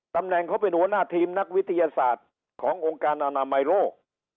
ตำแหน่งเขาเป็นหัวหน้าทีมนักวิทยาศาสตร์ขององค์การอนามัยโรค